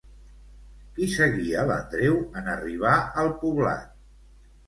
Qui seguia l'Andreu en arribar al poblat?